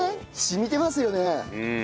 染みてますよね。